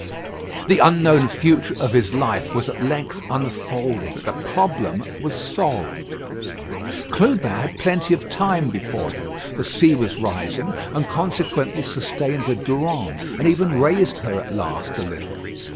The unknown future of his life was at length unfolding; the problem was solved. Clubin had plenty of time before him. The sea was rising, and consequently sustained the Durande, and even raised her at last a little.